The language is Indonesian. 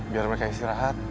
biar mereka istirahat